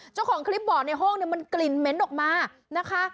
เจ้าของคลิปบอกในห้องมันกลิ่นเม้นท์ออกมานะคะ